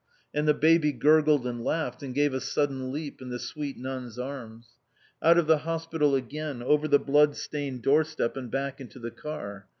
And the baby gurgled and laughed, and gave a sudden leap in the sweet nun's arms. Out of the hospital again, over the blood stained doorstep, and back into the car.